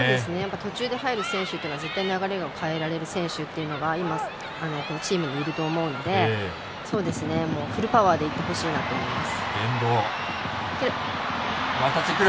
途中で入る選手っていうのは絶対に流れを変えられる選手っていうのがチームにいると思うのでフルパワーでいってほしいなと思います。